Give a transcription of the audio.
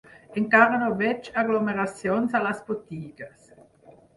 Encara no veig aglomeracions a les botigues.